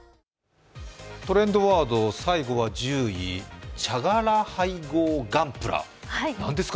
トレンドワード、最後は１０位、茶殻配合ガンプラ、何ですか？